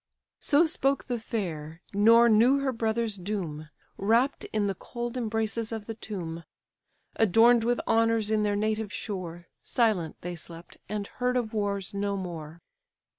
So spoke the fair, nor knew her brothers' doom; Wrapt in the cold embraces of the tomb; Adorn'd with honours in their native shore, Silent they slept, and heard of wars no more.